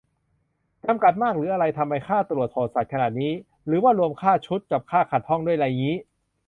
จำกัดมากหรืออะไร ทำไมค่าตรวจโหดสัสขนาดนี้ หรือว่ารวมค่าชุด กับค่าขัดห้องด้วยไรงี้